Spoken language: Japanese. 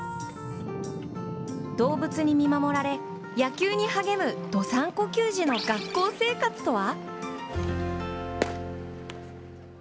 動物に見守られ野球に励む道産子球児の学校生活とは？